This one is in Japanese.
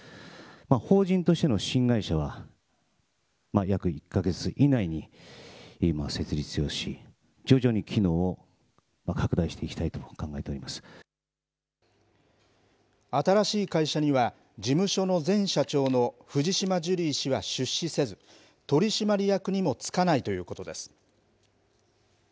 法人としての新会社は、約１か月以内に設立をし、徐々に機能を拡大していきたいと考えて新しい会社には、事務所の前社長の藤島ジュリー氏は出資せず、取締役にも就かないということです。